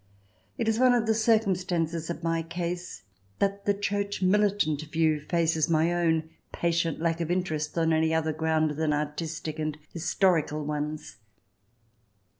It is one of the circumstances of my case that the Church Militant view faces my own patient lack of interest on any other ground than artistic and historical ones.